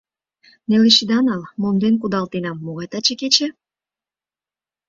— Нелеш ида нал, монден кудалтенам, могай таче кече?